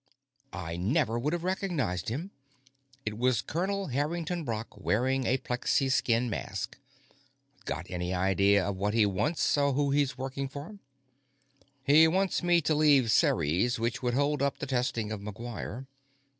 I never would have recognized him; it was Colonel Harrington Brock, wearing a plexiskin mask. "Got any idea of what he wants or who he's working for?" "He wants me to leave Ceres, which would hold up the testing of McGuire.